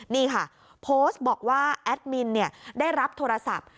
นี่ค่ะโพสต์บอกว่าแอดมินได้รับโทรศัพท์